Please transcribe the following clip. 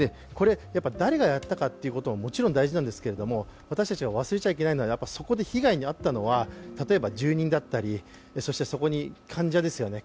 誰がやったかということももちろん大事なんですけど、私たちが忘れちゃいけないのはそこで被害に遭ったのは例えば住人だったり、そこの患者ですよね